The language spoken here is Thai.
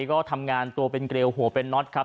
ก็ทำงานตัวเป็นเกรวหัวเป็นน็อตครับ